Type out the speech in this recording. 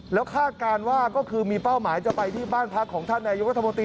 แล้วคาดการณ์ว่าก็คือมีเป้าหมายจะไปที่บ้านพักของท่านนายกรัฐมนตรี